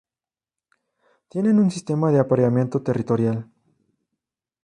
Tienen un sistema de apareamiento territorial.